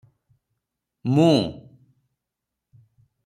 ମୁଁ-